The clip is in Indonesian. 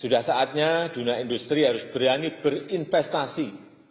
sudah saatnya dunia industri harus berani berinvestasi